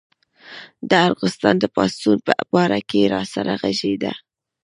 د ارغستان د پاڅون په باره کې راسره غږېده.